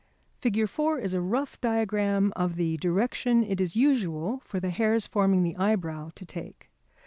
Fig. 4 is a rough diagram of the direction it is usual for the hairs forming the eyebrow to take.